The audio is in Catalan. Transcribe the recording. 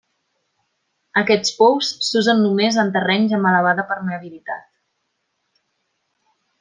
Aquests pous s'usen només en terrenys amb elevada permeabilitat.